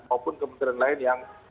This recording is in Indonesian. maupun kementerian lain yang